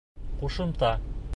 Ҡушымта.